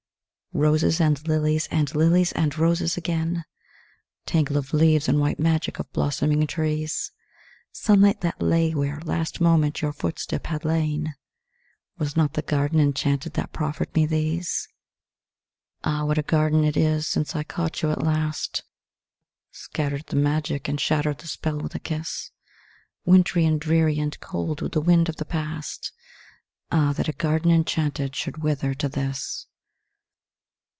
Roses and lilies and lilies and roses again, Tangle of leaves and white magic of blossoming trees, Sunlight that lay where, last moment, your footstep had lain Was not the garden enchanted that proffered me these? Ah, what a garden it is since I caught you at last Scattered the magic and shattered the spell with a kiss: Wintry and dreary and cold with the wind of the past, Ah that a garden enchanted should wither to this!